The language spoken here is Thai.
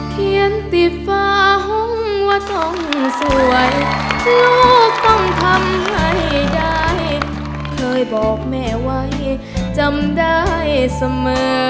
เคยบอกแม่ไว้จำได้เสมอ